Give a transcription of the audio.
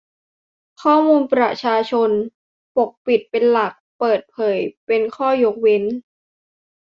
ข้อมูลประชาชน : ปกปิดเป็นหลัก เปิดเผยเป็นข้อยกเว้น